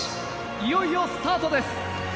いよいよスタートです。